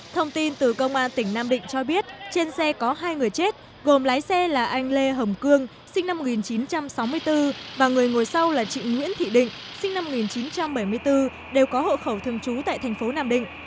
thông tin từ công an tỉnh nam định cho biết trên xe có hai người chết gồm lái xe là anh lê hồng cương sinh năm một nghìn chín trăm sáu mươi bốn và người ngồi sau là chị nguyễn thị định sinh năm một nghìn chín trăm bảy mươi bốn đều có hộ khẩu thường trú tại thành phố nam định